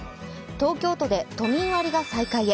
東京都で都民割が再開へ。